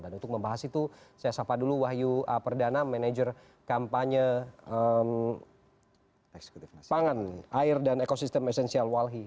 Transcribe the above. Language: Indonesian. dan untuk membahas itu saya sapa dulu wahyu perdana manager kampanye pangan air dan ekosistem esensial walhi